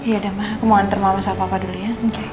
ya udah mah aku mau anter mama sama papa dulu ya